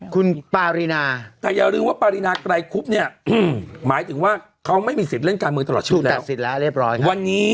คุณปารีนาแต่อย่าลืมว่าปารีนากลายคุบหมายถึงว่าเขาไม่มีสิทธิ์เล่นการมือตลอดชีวิตแล้ว